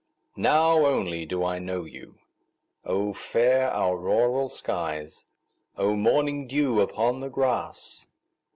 Now only do I know you!O fair auroral skies! O morning dew upon the grass!